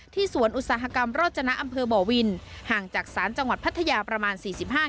ที่สวนอุตสาหกรรมรจนาอำเภอบ่อวินห่างจากศาลจังหวัดพัทยาประมาณสี่สิบห้า